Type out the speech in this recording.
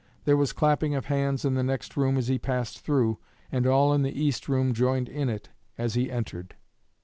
There was clapping of hands in the next room as he passed through, and all in the East Room joined in it as he entered."